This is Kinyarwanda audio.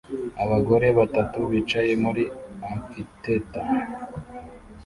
Abagore batatu bicaye muri amphitheater